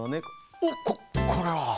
おっここれは。